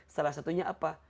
salah satunya apa